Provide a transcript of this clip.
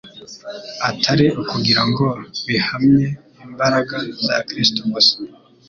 atari ukugira ngo bihamye imbaraga za Kristo gusa,